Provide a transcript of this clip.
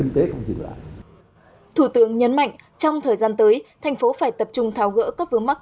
thủ tướng nhấn mạnh trong thời gian tới thành phố phải tập trung tháo gỡ các vướng mắc